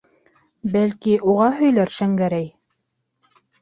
Бәлки, уға һөйләр Шәңгәрәй.